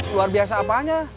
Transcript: luar biasa apa aja